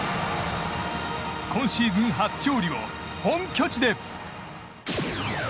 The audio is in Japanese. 今シーズン初勝利を本拠地で！